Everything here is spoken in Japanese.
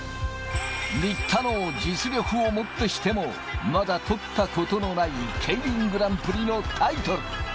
新田の実力をもってしても、まだ取ったことのないＫＥＩＲＩＮグランプリのタイトル。